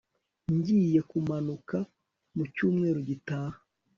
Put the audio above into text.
Ngiye kumanuka mucyumweru gitaha